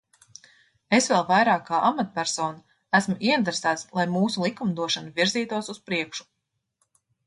Es vēl vairāk kā amatpersona esmu ieinteresēts, lai mūsu likumdošana virzītos uz priekšu.